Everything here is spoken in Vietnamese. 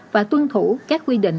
và tuân thủ các quy định